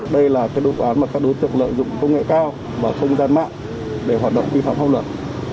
đây là cái đối tượng mà các đối tượng lợi dụng công nghệ cao và không gian mạng để hoạt động vi phạm học lực